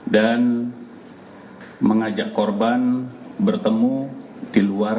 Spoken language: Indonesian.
dan mengajak korban bertemu di luar